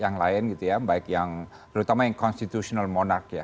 yang lain gitu ya baik yang terutama yang constitutional monark ya